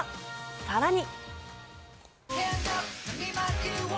さらに。